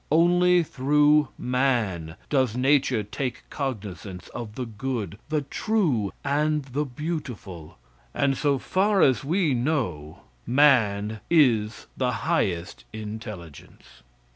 Only through man does nature take cognizance of the good, the true, and the beautiful; and, so far as we know, man is the highest intelligence.